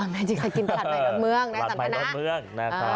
ไม่จริงกินผลัดไม้ลดเมือง